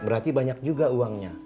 berarti banyak juga uangnya